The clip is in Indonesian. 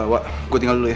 wak gue tinggal dulu ya